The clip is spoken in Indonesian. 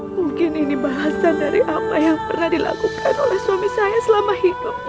mungkin ini bahasa dari apa yang pernah dilakukan oleh suami saya selama hidup